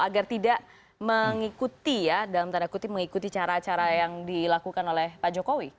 agar tidak mengikuti ya dalam tanda kutip mengikuti cara cara yang dilakukan oleh pak jokowi